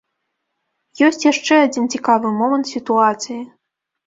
Ёсць яшчэ адзін цікавы момант сітуацыі.